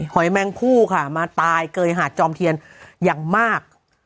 อยแมงผู้ค่ะมาตายเกยหาดจอมเทียนอย่างมาก